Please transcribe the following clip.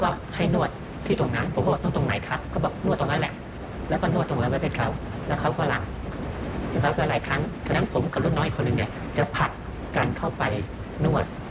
ข้างนอกชนตัวทันดูนไหร่แล้วก็ให้นวดที่ตรงนั้น